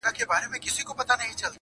• ځکه پاته جاویدانه افسانه سوم,